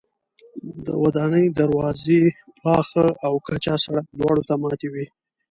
د ودانۍ دروازې پاخه او کچه سړک دواړو ته ماتې وې.